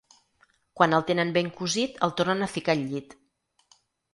Quan el tenen ben cosit el tornen a ficar al llit.